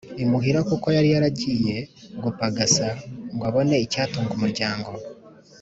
Imuhira kuko yari yaragiye gupagasa ngo abone icyatunga umuryango